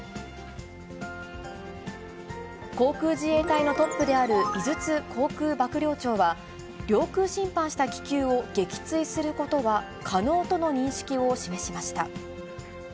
航空自衛隊のトップである井筒航空幕僚長は、領空侵犯した気球を撃墜することは可能との認識を示しました。